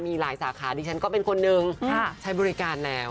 มีหลายสาขาดิฉันก็เป็นคนหนึ่งใช้บริการแล้ว